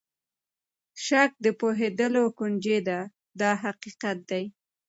شک د پوهېدلو کونجۍ ده دا حقیقت دی.